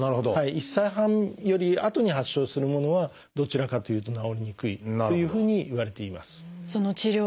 １歳半よりあとに発症するものはどちらかというと治りにくいというふうにいわれています。